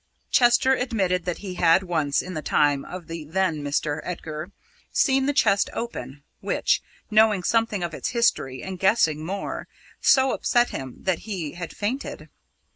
Chester admitted that he had once, in the time of "the then Mr. Edgar," seen the chest open, which, knowing something of its history and guessing more, so upset him that he had fainted.